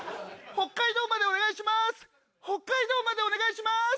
北海道までお願いします！